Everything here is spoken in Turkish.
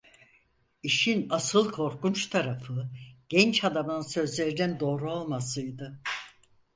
İşin asıl korkunç tarafı, genç adamın sözlerinin doğru olmasıydı.